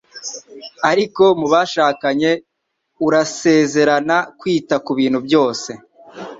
Ariko mubashakanye, urasezerana kwita kubintu byose.